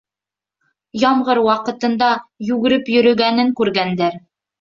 Ямғыр ваҡытында йүгереп йөрөгәнен күргәндәр.